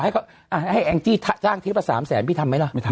ต่อให้เขาอ่ะให้ท่านเทปละสามแสนพี่ทำไหมล่ะไม่ทำ